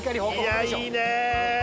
いやいいね。